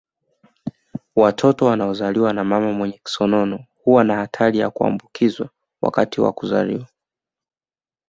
Watoto wanaozaliwa na mama wenye kisonono huwa na hatari ya kuambukizwa wakati wa kuzaliwa